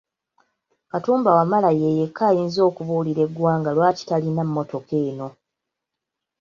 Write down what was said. Katumba Wamala ye yekka ayinza okubuulira eggwanga lwaki talina mmotoka eno.